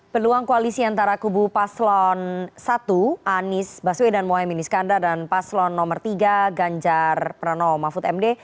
peluang koalisi antara kubu paslon i anies baswedan moe miniskanda dan paslon iii ganjar pranowo mahfud md